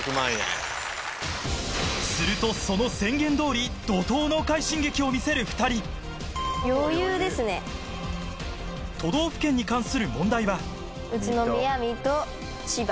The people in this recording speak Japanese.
するとその宣言通りを見せる２人都道府県に関する問題はよし！